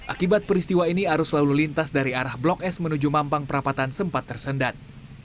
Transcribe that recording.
akibat peristiwa ini arus lalu lintas dari arah blok s menuju mampang perapatan sempat tersendat